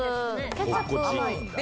ケチャップで甘いです。